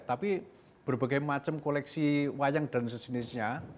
tapi berbagai macam koleksi wayang dan sejenisnya